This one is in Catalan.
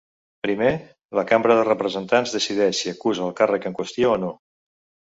Primer, la cambra de representants decideix si acusa el càrrec en qüestió o no.